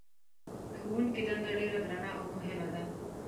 د ښوونکي دنده ډېره درنه او مهمه ده.